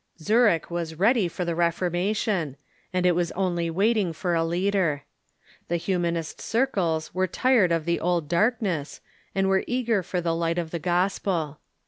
Zurich was ready for the Reformation, and was only waiting for a leader. The Iliunanist circles were tired of tlie old darkness, and were eager for the light of the gospel.